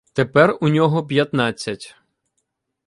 Тепер у нього п'ятнадцять.